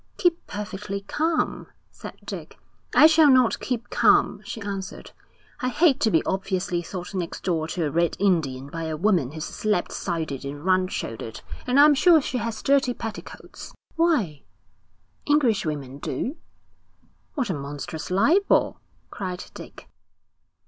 "' 'Keep perfectly calm,' said Dick. 'I shall not keep calm,' she answered. 'I hate to be obviously thought next door to a red Indian by a woman who's slab sided and round shouldered. And I'm sure she has dirty petticoats.' 'Why?' 'English women do.' 'What a monstrous libel!' cried Dick.